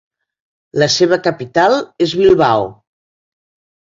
La seva capital és Bilbao.